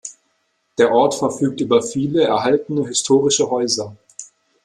Der Ort verfügt über viele erhaltene historische Häuser.